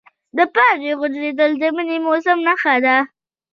د پاڼو غورځېدل د مني موسم نښه ده.